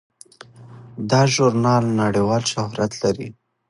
دا ژورنال نړیوال شهرت لري.